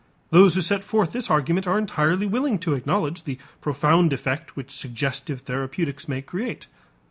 Those who set forth this argument are entirely willing to acknowledge the profound effect which suggestive therapeutics may create.